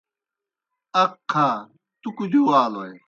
اَقّہا تُوْ کُدِیو آلوئے۔